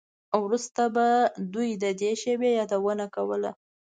وروسته به دوی د دې شیبې یادونه کوله